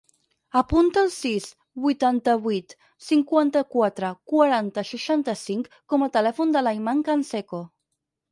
Apunta el sis, vuitanta-vuit, cinquanta-quatre, quaranta, seixanta-cinc com a telèfon de l'Ayman Canseco.